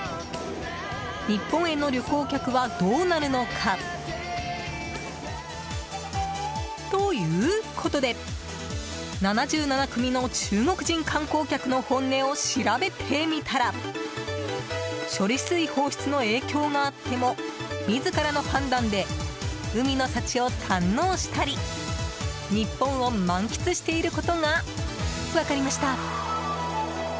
日本への旅行客はどうなるのか？ということで７７組の中国人観光客の本音を調べてみたら処理水放出の影響があっても自らの判断で海の幸を堪能したり日本を満喫していることが分かりました。